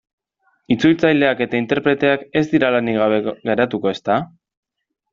Itzultzaileak eta interpreteak ez dira lanik gabe geratuko, ezta?